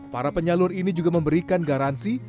para penyalur ini juga memberikan garansi